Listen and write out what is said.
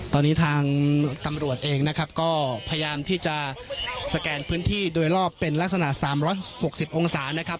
ตอนนี้ทางตำรวจเองนะครับก็พยายามที่จะสแกนพื้นที่โดยรอบเป็นลักษณะ๓๖๐องศานะครับ